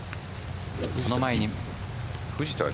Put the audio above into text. その前に藤田は。